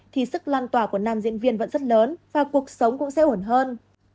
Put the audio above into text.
thì sức lan tỏa của nam diễn viên vẫn rất lớn và cuộc sống cũng sẽ ổn hơn